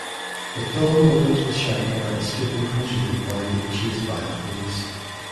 The film opens with Shankar escaping from jail while being chased by the police.